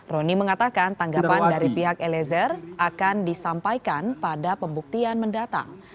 roni mengatakan tanggapan dari pihak eliezer akan disampaikan pada pembuktian mendatang